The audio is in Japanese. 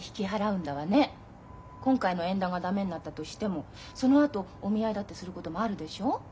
今回の縁談が駄目になったとしてもそのあとお見合いだってすることもあるでしょう？